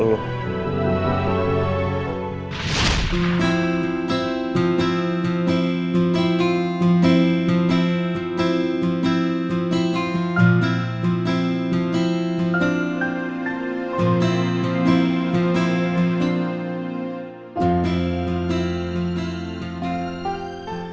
terima kasih putri